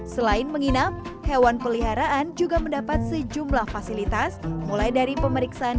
selain menginap hewan peliharaan juga mendapat sejumlah fasilitas mulai dari pemeriksaan